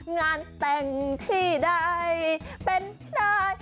งานแต่งที่ใดเป็นได้